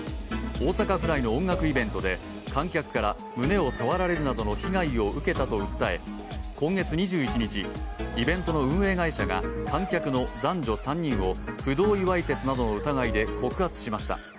大阪府内の音楽イベントで観客から胸を触られるなどの被害を受けたと訴え、今月２１日、イベントの運営会社が観客の男女３人を不同意わいせつなどの疑いで告発しました。